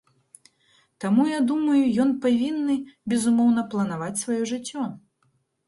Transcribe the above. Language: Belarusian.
Таму я думаю, ён павінны, безумоўна, планаваць сваё жыццё.